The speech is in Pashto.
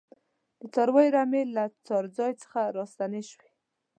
د څارویو رمې له څړځای څخه راستنې شوې.